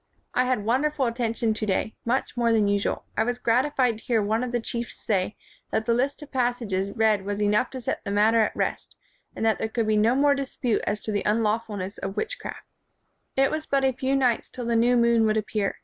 '' I had wonderful attention to day — much more than usual. I was gratified to hear one of the chiefs say that the list of pass ages read was enough to set the matter at rest, and there could be no more dispute as to the unlawfulness of witchcraft." 123 WHITE MAN OF WORK It was but a few nights till the new moon would appear.